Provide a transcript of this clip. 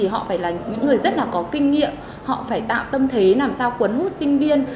họ phải là những người rất là có kinh nghiệm họ phải tạo tâm thế làm sao quấn hút sinh viên